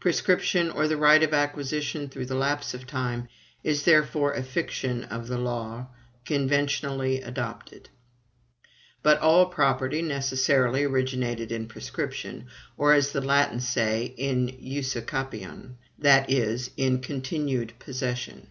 Prescription, or the right of acquisition through the lapse of time, is, therefore, a fiction of the law, conventionally adopted. But all property necessarily originated in prescription, or, as the Latins say, in usucapion; that is, in continued possession.